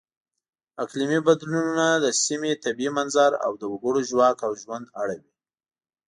اقلیمي بدلونونه د سیمې طبیعي منظر او د وګړو ژواک او ژوند اړوي.